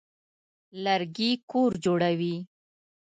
لرګي کور جوړوي.